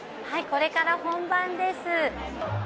これから本番です。